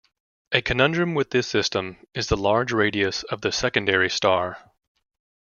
A conundrum with this system is the large radius of the secondary star.